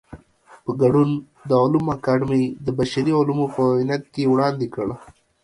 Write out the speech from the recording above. په ګډون د علومو اکاډمۍ د بشري علومو په معاونيت کې وړاندې کړ.